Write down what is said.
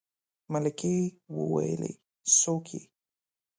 ملکې وويلې څوک يې.